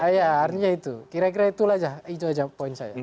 ya artinya itu kira kira itu aja itu aja poin saya